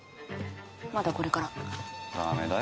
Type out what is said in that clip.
まだこれからダメだよ